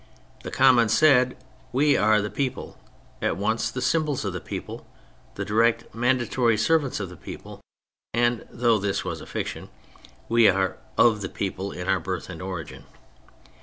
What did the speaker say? The Commons said, " We are the people; at once the symbols of the people, the direct mandatory servants of the people, and" (though this was a fiction) "we are of the people in our birth and origin.